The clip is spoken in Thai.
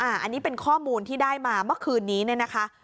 อันนี้เป็นข้อมูลที่ได้มาเมื่อคืนนี้เนี่ยนะคะ